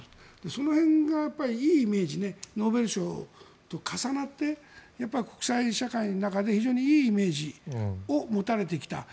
その辺がいいイメージノーベル賞と重なって国際社会の中で非常にいいイメージを持たれてきた。